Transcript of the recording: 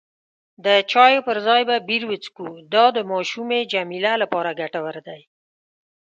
د چایو پر ځای به بیر وڅښو، دا د ماشومې جميله لپاره ګټور دی.